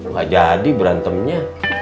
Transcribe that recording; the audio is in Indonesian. gak jadi berantemnya